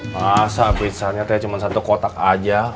masa pesannya teh cuma satu kotak aja